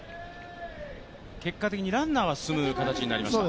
結果的にランナーは進む形になりました。